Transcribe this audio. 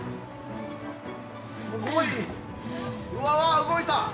すごい！うわ動いた！